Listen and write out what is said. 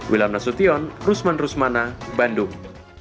wilam nasution rusman rusmana bandung